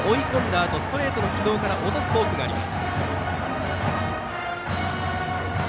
あとストレートの軌道から落とすフォークがあります。